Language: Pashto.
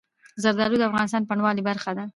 زردالو د افغانستان د بڼوالۍ برخه ده.